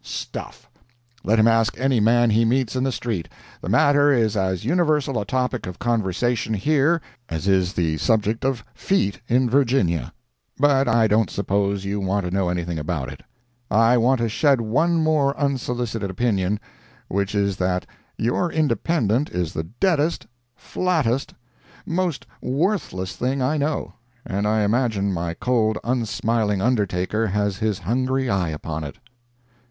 Stuff! let him ask any man he meets in the street—the matter is as universal a topic of conversation here as is the subject of "feet" in Virginia. But I don't suppose you want to know anything about it. I want to shed one more unsolicited opinion, which is that your Independent is the deadest, flattest, [most] worthless thing I know—and I imagine my cold, unsmiling undertaker has his hungry eye upon it.